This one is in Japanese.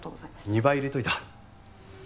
２倍入れておいた。